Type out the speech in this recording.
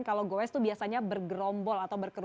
kalau goyes itu biasanya bergrombol